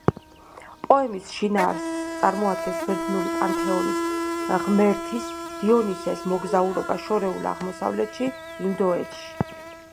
პოემის შინაარსს წარმოადგენს ბერძნული პანთეონის ღმერთის, დიონისეს, მოგზაურობა შორეულ აღმოსავლეთში, ინდოეთში.